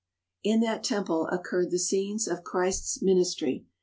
In that temple occurred the scenes of Christ's ministry.